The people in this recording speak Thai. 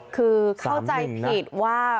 คือเข้าใจผิดว่า